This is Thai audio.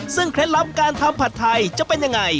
ซึ่งเคล็ดลับการทำผัดไทยจะเป็นยังไง